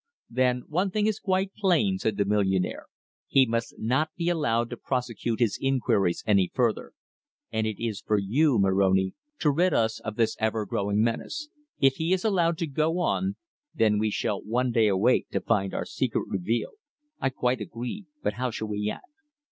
"Then one thing is quite plain," said the millionaire. "He must not be allowed to prosecute his inquiries any further. And it is for you, Moroni, to rid us of this ever growing menace. If he is allowed to go on, then we shall one day awake to find our secret revealed." "I quite agree. But how shall we act?"